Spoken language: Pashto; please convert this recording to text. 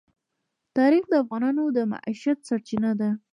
تاریخ د افغانانو د معیشت سرچینه ده.